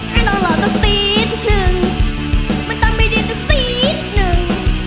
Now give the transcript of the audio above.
ไม่ต้องรอตรงซีนหนึ่งมันต้องไปดีตรงซีนหนึ่ง